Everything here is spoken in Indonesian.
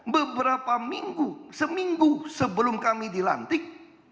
beberapa minggu seminggu sebelum kami dilantik